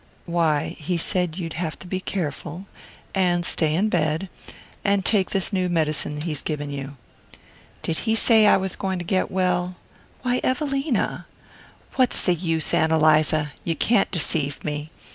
"Why, he said you'd have to be careful and stay in bed and take this new medicine he's given you." "Did he say I was going to get well?" "Why, Evelina!" "What's the use, Ann Eliza? You can't deceive me.